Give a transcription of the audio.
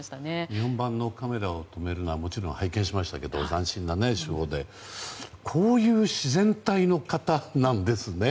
日本版の「カメラを止めるな！」はもちろん拝見しましたがこういう自然体の方なんですね。